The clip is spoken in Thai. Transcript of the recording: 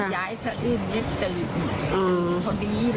ยายขนะอื้นเจ็บตื่น